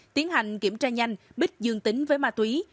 tiến hành kiểm tra nhanh bích dương tính với ma túy